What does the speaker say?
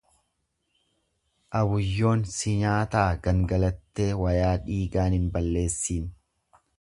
Abuyyoon si nyaataa gangalattee wayaa dhiigaan hin balleessiin.